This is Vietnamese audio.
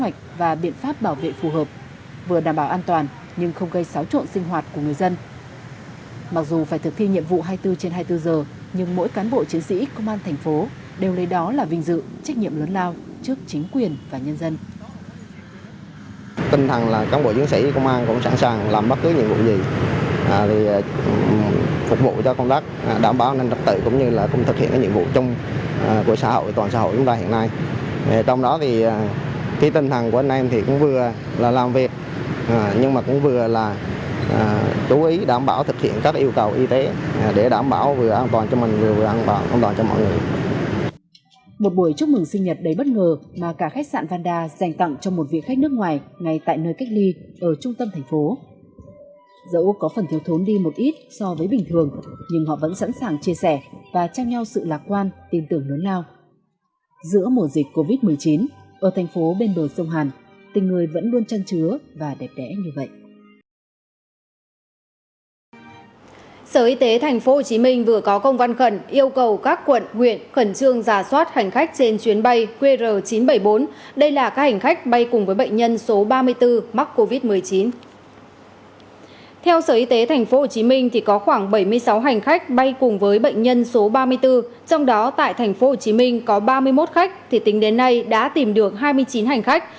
theo sở y tế tp hcm thì có khoảng bảy mươi sáu hành khách bay cùng với bệnh nhân số ba mươi bốn trong đó tại tp hcm có ba mươi một khách thì tính đến nay đã tìm được hai mươi chín hành khách